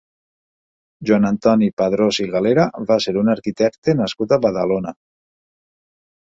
Joan Antoni Padrós i Galera va ser un arquitecte nascut a Badalona.